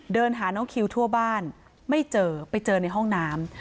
เดินหาน้องคิวทั่วบ้านไม่เจอไปเจอในห้องน้ำ